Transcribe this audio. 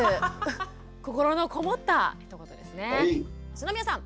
篠宮さん。